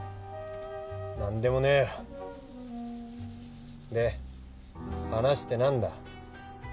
何でもねよ！で話って何だ？